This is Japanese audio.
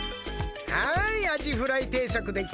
はいアジフライ定食できたよ。